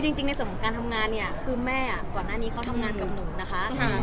จริงในส่วนของการทำงานเนี่ยคือแม่ก่อนหน้านี้เขาทำงานกับหนูนะคะ